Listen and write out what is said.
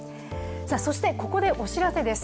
そしてここでお知らせです。